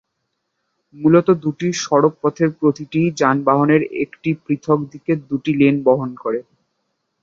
মূলত, দুটি সড়ক পথের প্রতিটিই যানবাহনের একটি পৃথক দিকের দুটি লেন বহন করে।